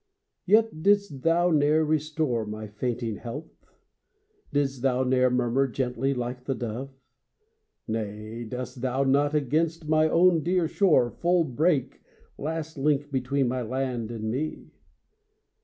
Yet didst thou n'er restore my fainting health? Didst thou ne'er murmur gently like the dove? Nay, dost thou not against my own dear shore Full break, last link between my land and me?